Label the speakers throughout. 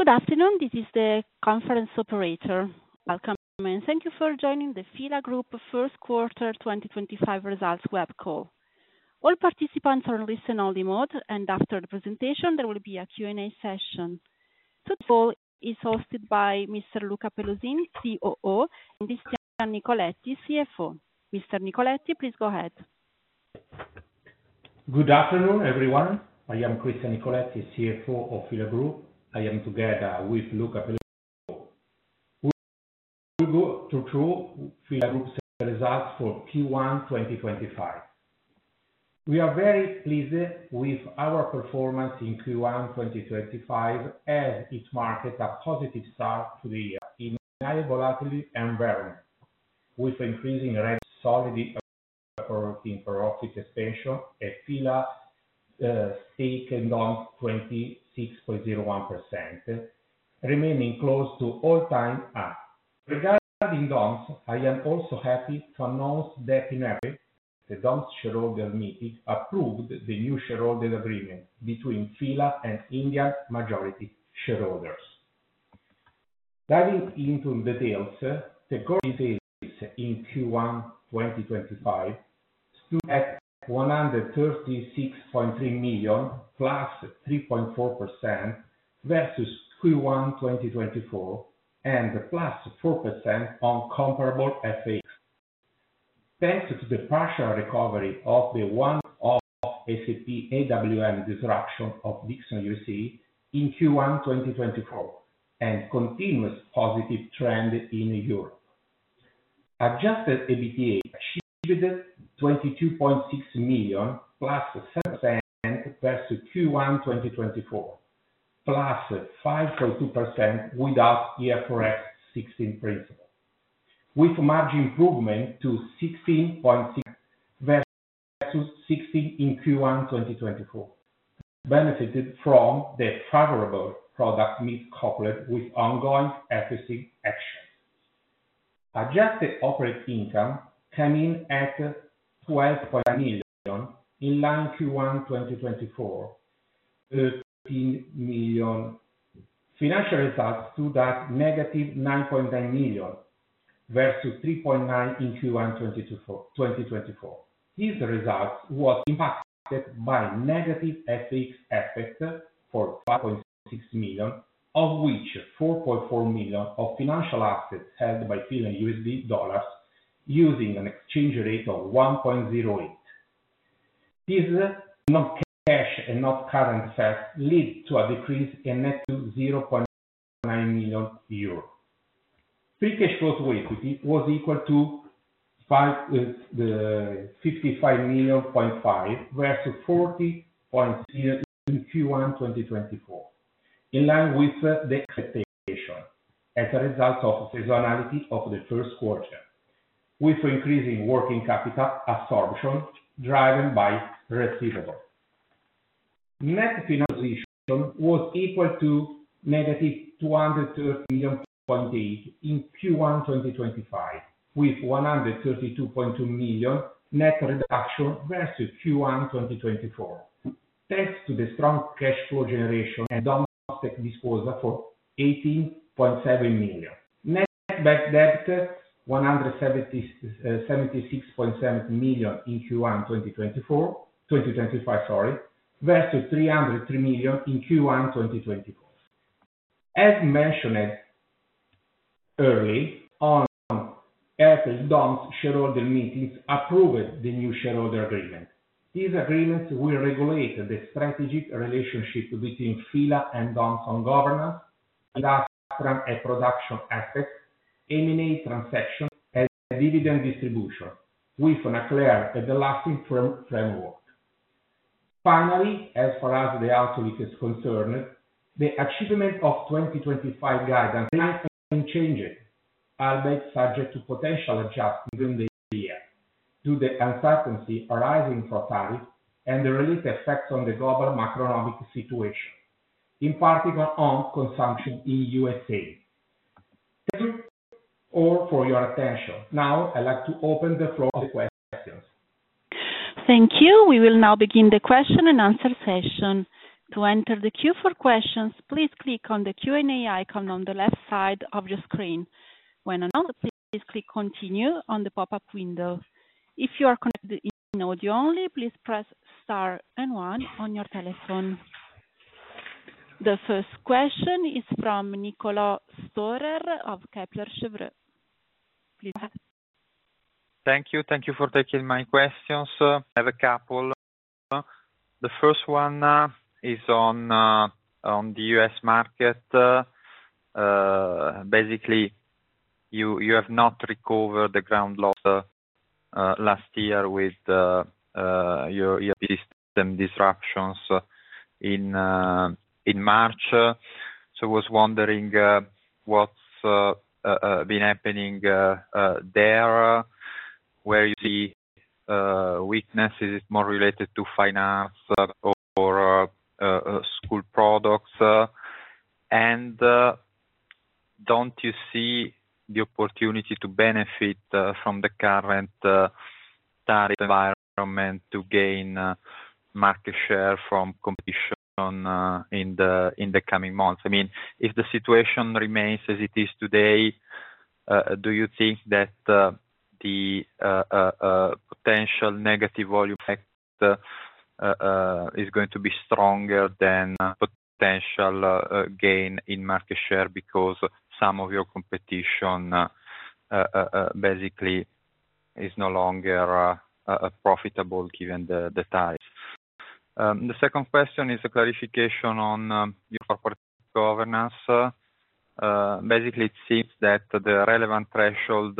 Speaker 1: Good afternoon, this is the conference operator, Malcolm Hammond. Thank you for joining the FILA Group First Quarter 2025 Results Web Call. All participants are in listen-only mode, and after the presentation, there will be a Q&A session. The call is hosted by Mr. Luca Pelosin, COO, and Cristian Nicoletti, CFO. Mr. Nicoletti, please go ahead.
Speaker 2: Good afternoon, everyone. I am Cristian Nicoletti, CFO of FILA Group. I am together with Luca Pelosin. We go through FILA Group's results for Q1 2025. We are very pleased with our performance in Q1 2025, as it marked a positive start to the, in a volatile environment, with increasing solid operating profit expansion and FILA stake in DOMS 26.01%, remaining close to all-time highs. Regarding DOMS, I am also happy to announce that in April, the DOMS shareholder meeting approved the new shareholder agreement between FILA and Indian majority shareholders. Diving into the details, the growth is in Q1 2025 stood at 136.3 million, plus 3.4% versus Q1 2024, and plus 4% on comparable FAQs. Thanks to the partial recovery of the one-off SAP AWM disruption of Dixon Ticonderoga US in Q1 2024 and continuous positive trend in Europe, adjusted EBITDA achieved EUR 22.6 million, +7% versus Q1 2024, plus 5.2% without year-to-year 16 principal, with margin improvement to 16.6% versus 16% in Q1 2024, benefited from the favorable product mix coupled with ongoing FSC actions. Adjusted operating income came in at 12.9 million in line Q1 2024. 13 million financial results stood at negative 9.9 million versus 3.9 million in Q1 2024. These results were impacted by negative FX effect for 1.6 million, of which 4.4 million of financial assets held by FILA in US dollars using an exchange rate of 1.08. These non-cash and non-current assets led to a decrease in net to 0.9 million euro. Free cash flow to equity was equal to 55.5 million versus 40.6 million in Q1 2024, in line with the expectation as a result of the seasonality of the first quarter, with increasing working capital absorption driven by receivable. Net financial position was equal to negative 230.8 million in Q1 2025, with 132.2 million net reduction versus Q1 2024. Thanks to the strong cash flow generation, DOMS disposed for EUR 18.7 million. Net bank debt was 176.7 million in Q1 2024 versus 303 million in Q1 2024. As mentioned earlier, in April, DOMS shareholder meetings approved the new shareholder agreement. These agreements will regulate the strategic relationship between FILA and DOMS on governance, industrial and production assets, M&A transactions, and dividend distribution, with a clear and lasting framework. Finally, as far as the outlook is concerned, the achievement of the 2025 guidance remains unchanged, albeit subject to potential adjustments during the year due to the uncertainty arising from tariffs and the related effects on the global macroeconomic situation, in particular on consumption in the U.S. Thank you all for your attention. Now, I'd like to open the floor for questions.
Speaker 1: Thank you. We will now begin the question and answer session. To enter the queue for questions, please click on the Q&A icon on the left side of your screen. When announced, please click continue on the pop-up window. If you are connected in audio only, please press star and one on your telephone. The first question is from Niccolò Storer of Kepler Cheuvreux.
Speaker 3: Thank you. Thank you for taking my questions. I have a couple. The first one is on the U.S. market. Basically, you have not recovered the ground lost last year with your system disruptions in March. I was wondering what's been happening there, where you see weakness. Is it more related to finance or school products? I mean, don't you see the opportunity to benefit from the current tariff environment to gain market share from competition in the coming months? I mean, if the situation remains as it is today, do you think that the potential negative volume effect is going to be stronger than potential gain in market share because some of your competition basically is no longer profitable given the tariffs? The second question is a clarification on your corporate governance. Basically, it seems that the relevant threshold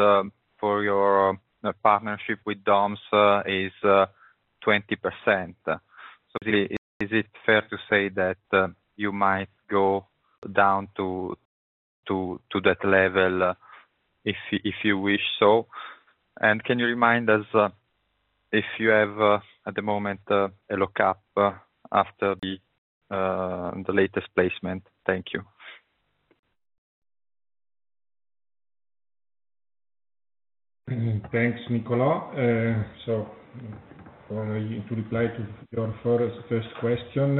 Speaker 3: for your partnership with DOMS is 20%. Is it fair to say that you might go down to that level if you wish so? Can you remind us if you have at the moment a lock-up after the latest placement? Thank you.
Speaker 4: Thanks, Nicolas. To reply to your first question,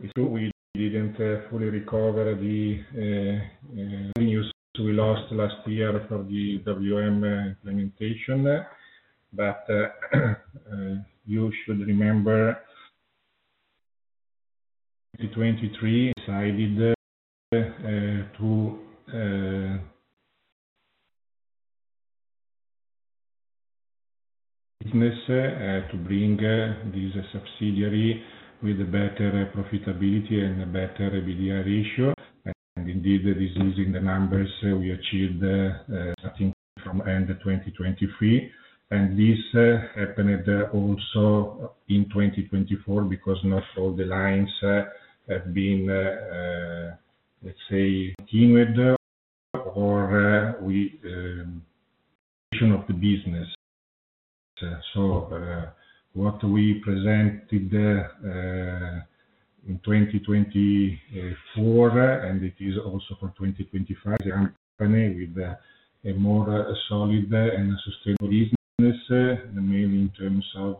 Speaker 4: we did not fully recover the revenues we lost last year for the WM implementation. You should remember, 2023 decided to bring this subsidiary with better profitability and better EBITDA ratio. Indeed, this is in the numbers we achieved starting from end 2023. This happened also in 2024 because not all the lines have been, let's say, continued or the vision of the business. What we presented in 2024, and it is also for 2025, is a company with a more solid and sustainable business, mainly in terms of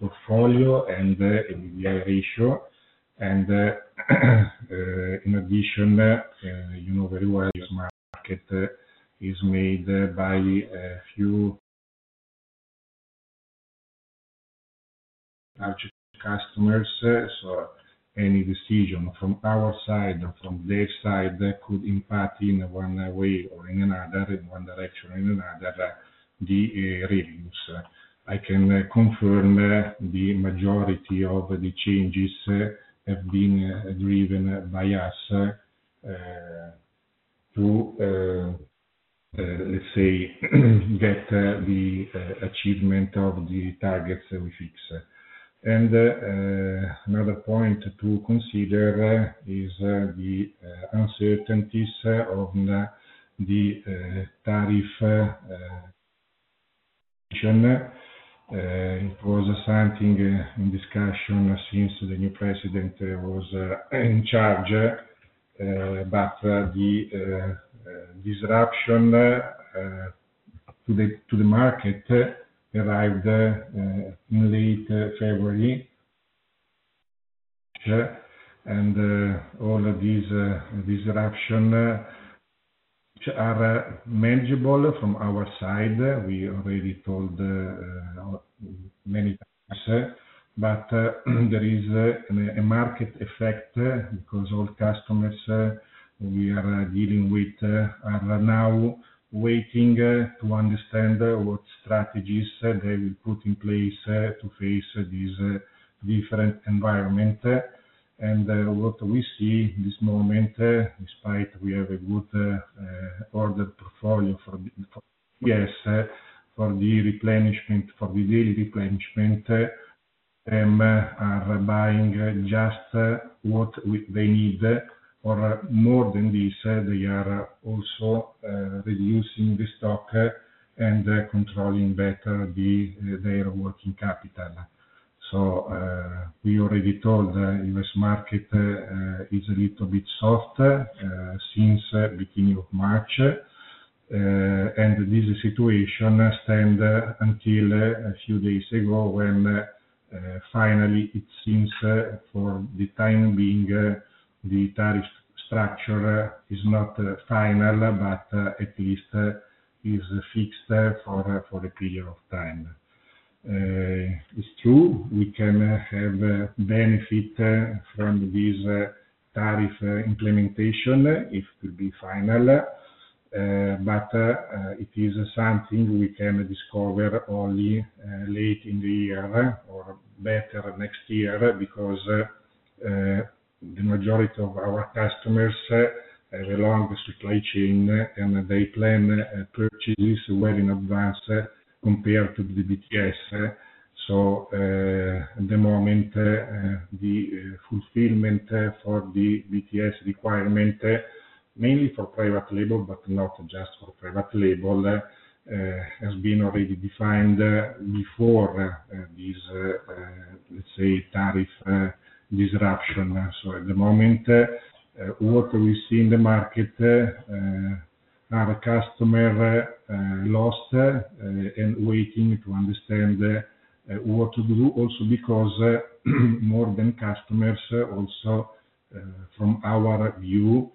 Speaker 4: portfolio and EBITDA ratio. In addition, you know very well this market is made by a few large customers. Any decision from our side or from their side could impact in one way or in another, in one direction or in another, the revenues. I can confirm the majority of the changes have been driven by us to, let's say, get the achievement of the targets that we fixed. Another point to consider is the uncertainties on the tariff. It was something in discussion since the new president was in charge, but the disruption to the market arrived in late February. All of these disruptions are manageable from our side. We already told many times, but there is a market effect because all customers we are dealing with are now waiting to understand what strategies they will put in place to face this different environment. What we see in this moment, despite we have a good order portfolio for the replenishment, for the daily replenishment, they are buying just what they need, or more than this. They are also reducing the stock and controlling better their working capital. We already told the U.S. market is a little bit soft since the beginning of March. This situation stands until a few days ago when finally it seems for the time being the tariff structure is not final, but at least is fixed for a period of time. It's true we can have benefit from this tariff implementation if it will be final, but it is something we can discover only late in the year or better next year because the majority of our customers have a long supply chain and they plan purchases well in advance compared to the BTS. At the moment, the fulfillment for the BTS requirement, mainly for private label, but not just for private label, has been already defined before this, let's say, tariff disruption. At the moment, what we see in the market, our customer lost and waiting to understand what to do also because more than customers, also from our view,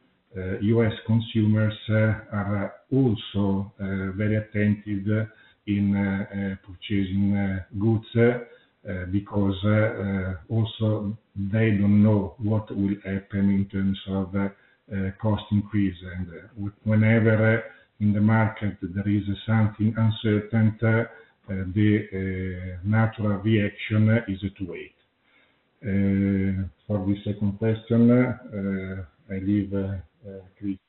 Speaker 4: US consumers are also very attentive in purchasing goods because also they do not know what will happen in terms of cost increase. Whenever in the market there is something uncertain, the natural reaction is to wait. For the second question, I leave it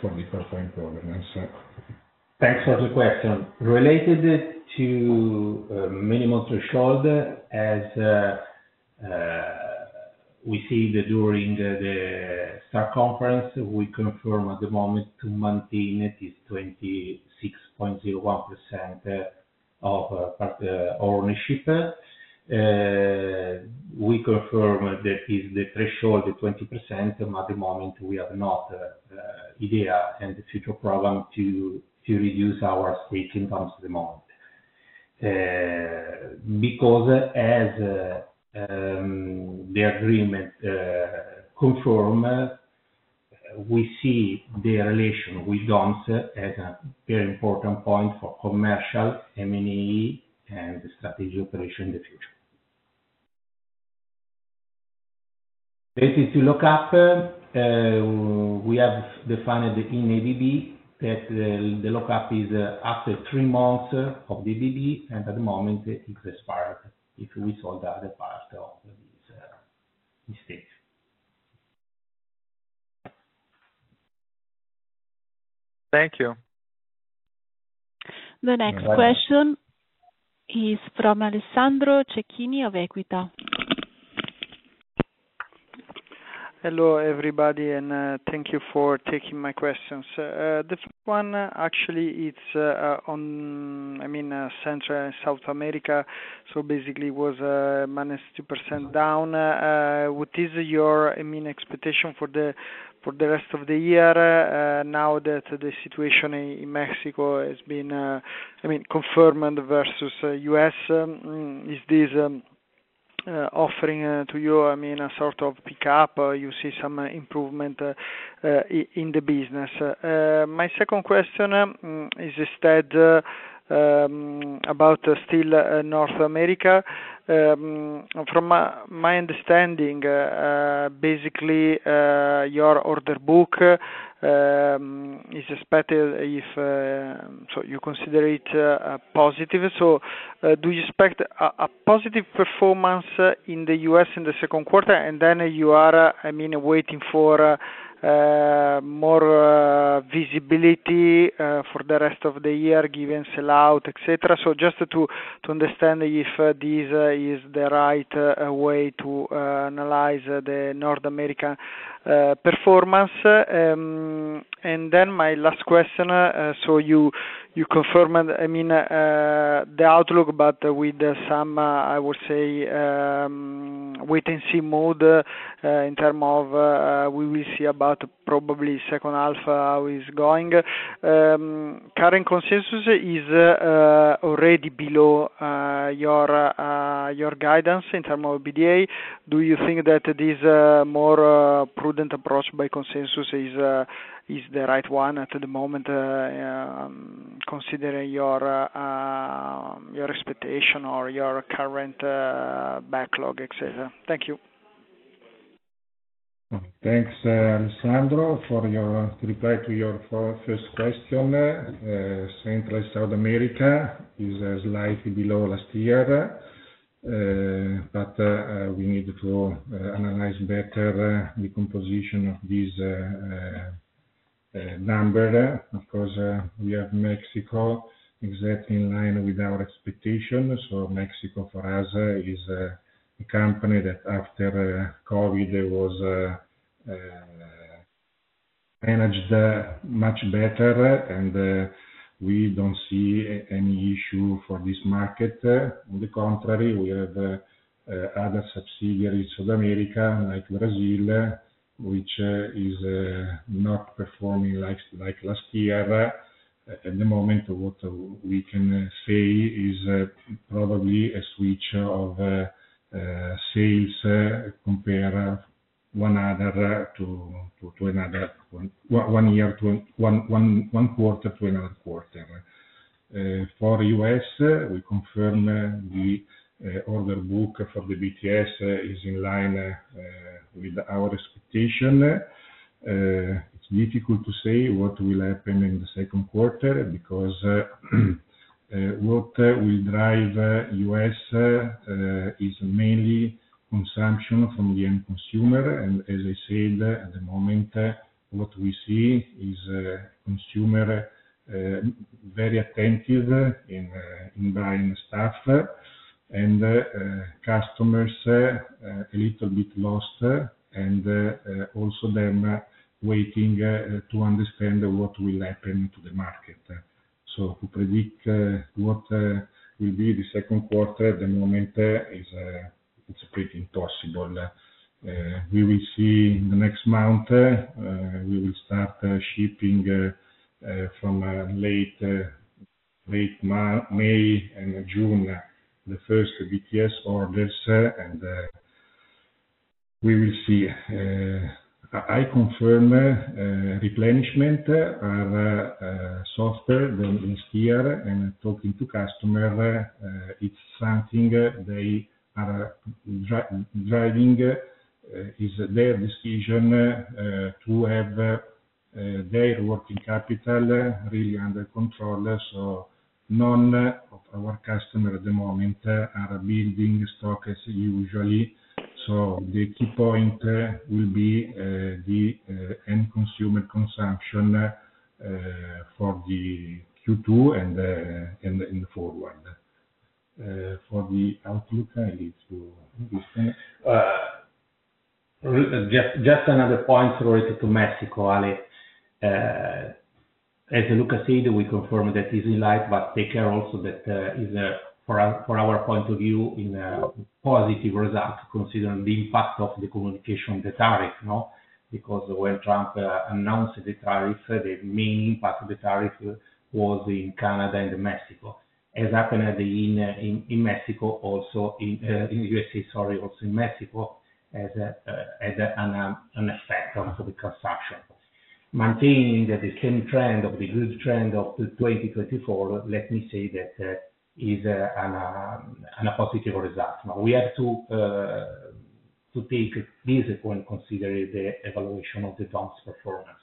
Speaker 4: for the corporate governance.
Speaker 2: Thanks for the question. Related to minimum threshold, as we see during the STAR conference, we confirm at the moment to maintain this 26.01% of ownership. We confirm that is the threshold of 20%, but at the moment we have no idea and future problem to reduce our stake in DOMS at the moment. Because as the agreement confirms, we see the relation with DOMS as a very important point for commercial M&A and strategic operation in the future. Related to lock-up, we have defined in EBITDA that the lock-up is after three months of the EBITDA, and at the moment it's expired if we sold the other part of this mistake.
Speaker 3: Thank you.
Speaker 1: The next question is from Alessandro Cecchini of Equita.
Speaker 5: Hello everybody, and thank you for taking my questions. This one actually is on, I mean, Central and South America. So basically it was -2% down. What is your main expectation for the rest of the year now that the situation in Mexico has been, I mean, confirmed versus U.S.? Is this offering to you, I mean, a sort of pickup? You see some improvement in the business. My second question is instead about still North America. From my understanding, basically your order book is expected if you consider it positive. Do you expect a positive performance in the U.S. in the second quarter? You are, I mean, waiting for more visibility for the rest of the year given sellout, etc. Just to understand if this is the right way to analyze the North American performance. My last question. You confirm, I mean, the outlook, but with some, I would say, wait-and-see mode in terms of we will see about probably second half how it's going. Current consensus is already below your guidance in terms of EBITDA. Do you think that this more prudent approach by consensus is the right one at the moment considering your expectation or your current backlog, etc.? Thank you.
Speaker 4: Thanks, Alessandro, for your reply to your first question. Central and South America is slightly below last year, but we need to analyze better the composition of this number. Of course, we have Mexico exactly in line with our expectation. Mexico for us is a company that after COVID was managed much better, and we do not see any issue for this market. On the contrary, we have other subsidiaries in South America like Brazil, which is not performing like last year. At the moment, what we can say is probably a switch of sales compared to one year to one quarter to another quarter. For U.S., we confirm the order book for the BTS is in line with our expectation. It is difficult to say what will happen in the second quarter because what will drive U.S. is mainly consumption from the end consumer. As I said, at the moment, what we see is consumer very attentive in buying stuff and customers a little bit lost and also them waiting to understand what will happen to the market. To predict what will be the second quarter at the moment is pretty impossible. We will see in the next month. We will start shipping from late May and June the first BTS orders, and we will see. I confirm replenishment are softer than this year, and talking to customer, it is something they are driving. It is their decision to have their working capital really under control. None of our customers at the moment are building stock as usual. The key point will be the end consumer consumption for the Q2 and in the forward. For the outlook, I need to.
Speaker 2: Just another point related to Mexico. As Luca said, we confirm that is in line, but take care also that is for our point of view in a positive result considering the impact of the communication of the tariff. Because when Trump announced the tariff, the main impact of the tariff was in Canada and Mexico. Has happened in Mexico also in the U.S., sorry, also in Mexico as an effect on the consumption. Maintaining the same trend of the good trend of 2024, let me say that is a positive result. We have to take this point considering the evaluation of the DOMS performance.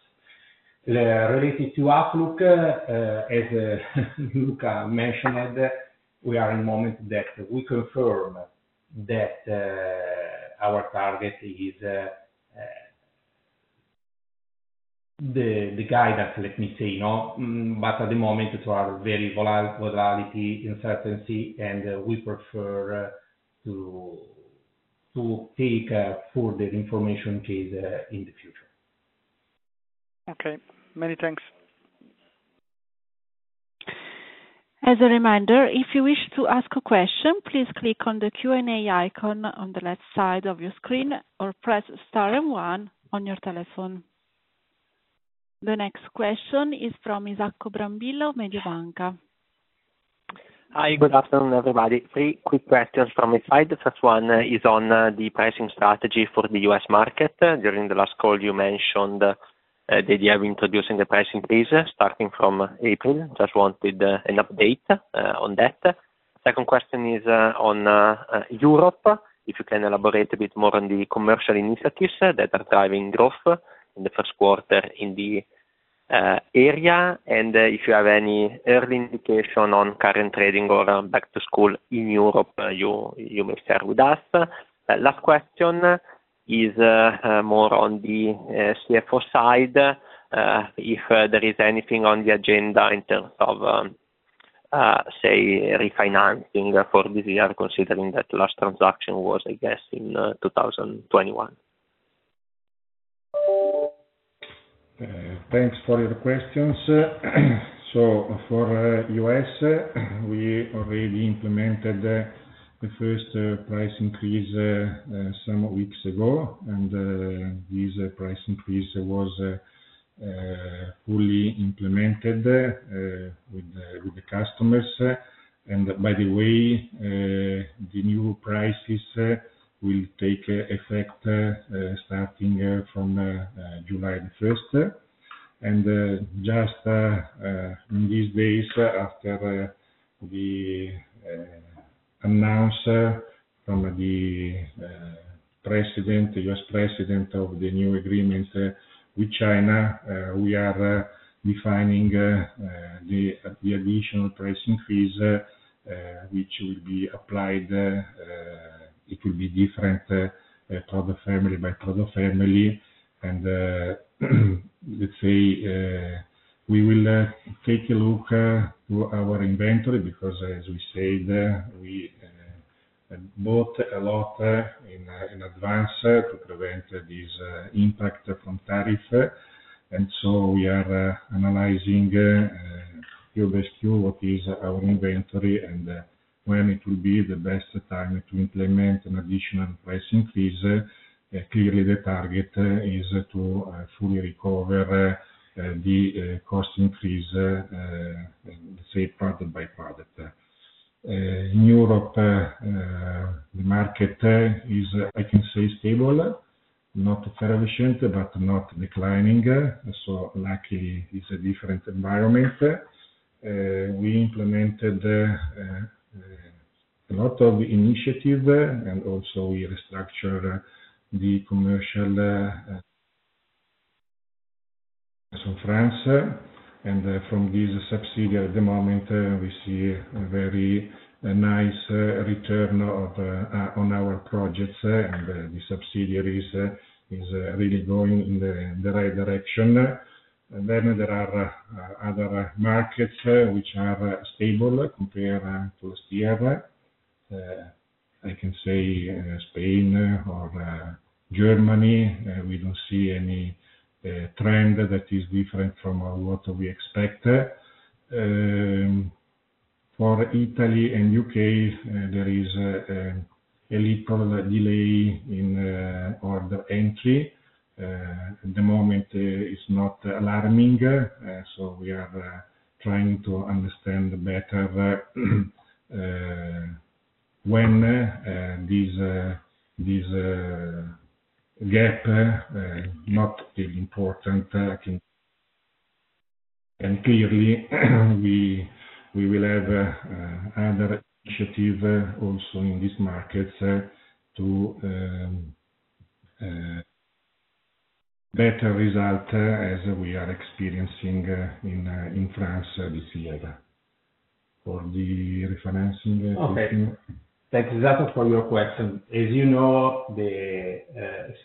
Speaker 2: Related to outlook, as Luca mentioned, we are in a moment that we confirm that our target is the guidance, let me say, but at the moment there are very volatile uncertainty, and we prefer to take further information in the future.
Speaker 5: Okay. Many thanks.
Speaker 1: As a reminder, if you wish to ask a question, please click on the Q&A icon on the left side of your screen or press star and one on your telephone. The next question is from Isacco Brambilla of Mediobanca.
Speaker 6: Hi, good afternoon everybody. Three quick questions from my side. The first one is on the pricing strategy for the U.S. market. During the last call, you mentioned that they are introducing a pricing base starting from April. Just wanted an update on that. Second question is on Europe. If you can elaborate a bit more on the commercial initiatives that are driving growth in the first quarter in the area, and if you have any early indication on current trading or Back to School in Europe, you may share with us. Last question is more on the CFO side. If there is anything on the agenda in terms of, say, refinancing for this year, considering that last transaction was, I guess, in 2021.
Speaker 4: Thanks for your questions. For the US, we already implemented the first price increase some weeks ago, and this price increase was fully implemented with the customers. By the way, the new prices will take effect starting from July 1. Just in these days, after the announcement from the US president of the new agreement with China, we are defining the additional pricing fees which will be applied. It will be different for the family by the family. We will take a look at our inventory because, as we said, we bought a lot in advance to prevent this impact from tariff. We are analyzing year by year what is our inventory and when it will be the best time to implement an additional pricing fees. Clearly, the target is to fully recover the cost increase, product by product. In Europe, the market is, I can say, stable, not flourishing, but not declining. Luckily, it's a different environment. We implemented a lot of initiatives, and also we restructured the commercial in France. From these subsidiaries, at the moment, we see a very nice return on our projects, and the subsidiaries are really going in the right direction. There are other markets which are stable compared to last year. I can say Spain or Germany, we do not see any trend that is different from what we expect. For Italy and the U.K., there is a little delay in order entry. At the moment, it's not alarming. We are trying to understand better when this gap is not important. Clearly, we will have other initiatives also in these markets to better result as we are experiencing in France this year. For the refinancing question.
Speaker 2: Thanks, Isacco, for your question. As you know, the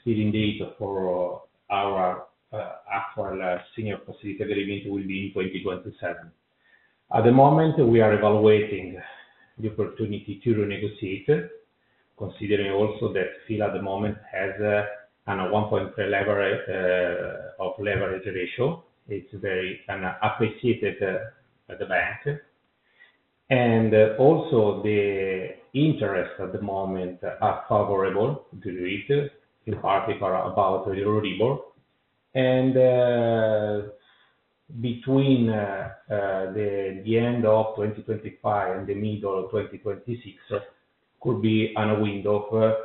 Speaker 2: speeding date for our actual senior facility agreement will be in 2027. At the moment, we are evaluating the opportunity to renegotiate, considering also that FILA at the moment has a 1.3 leverage ratio. It is very appreciated at the bank. Also, the interests at the moment are favorable to do it, in particular about Euroribor. Between the end of 2025 and the middle of 2026, could be a window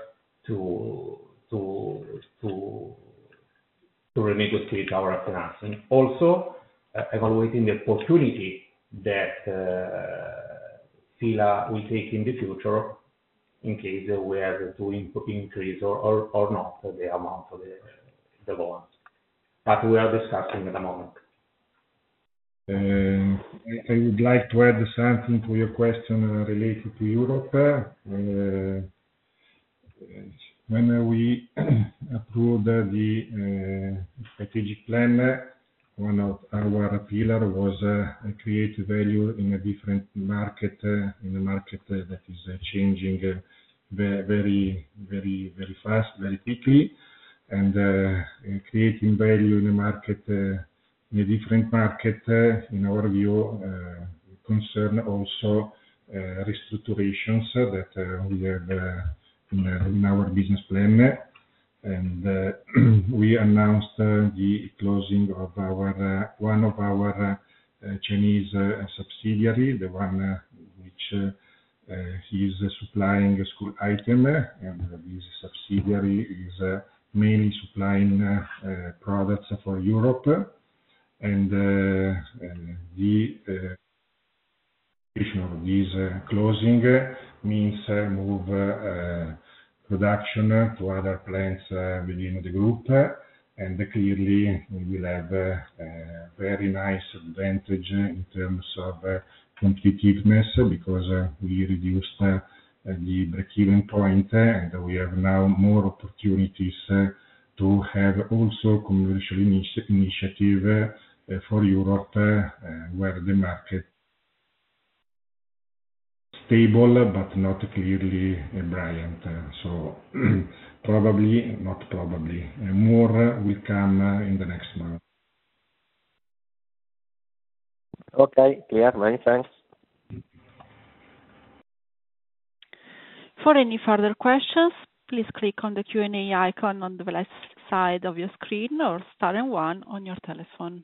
Speaker 2: to renegotiate our financing. Also, evaluating the opportunity that FILA will take in the future in case we have to increase or not the amount of the bonds. We are discussing at the moment.
Speaker 4: I would like to add something to your question related to Europe. When we approved the strategic plan, one of our pillars was to create value in a different market, in a market that is changing very fast, very quickly. Creating value in a market, in a different market, in our view, concerns also restructurations that we have in our business plan. We announced the closing of one of our Chinese subsidiaries, the one which is supplying school items. This subsidiary is mainly supplying products for Europe. The closing means moving production to other plants within the group. Clearly, we will have a very nice advantage in terms of competitiveness because we reduced the break-even point, and we have now more opportunities to have also commercial initiatives for Europe where the market is stable, but not clearly bright. Probably, not probably, more will come in the next month.
Speaker 6: Okay. Clear. Many thanks.
Speaker 1: For any further questions, please click on the Q&A icon on the left side of your screen or star and one on your telephone.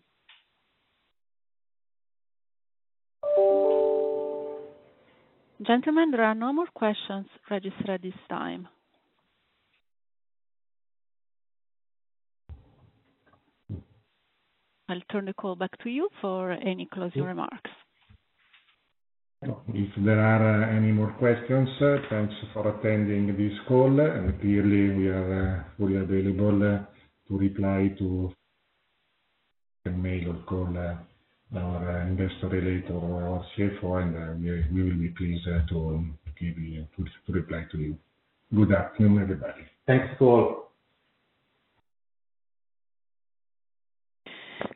Speaker 1: Gentlemen, there are no more questions registered at this time. I'll turn the call back to you for any closing remarks.
Speaker 4: If there are any more questions, thanks for attending this call. We are available to reply to your email or call our investor relator or CFO, and we will be pleased to reply to you. Good afternoon, everybody.
Speaker 2: Thanks for all.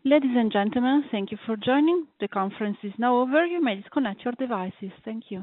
Speaker 1: Ladies and gentlemen, thank you for joining. The conference is now over. You may disconnect your devices. Thank you.